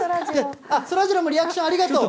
そらジローもリアクション、ありがとう。